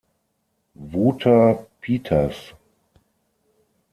Wouter Pietersz.